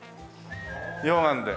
溶岩で。